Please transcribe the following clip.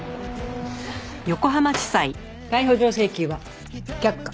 逮捕状請求は却下。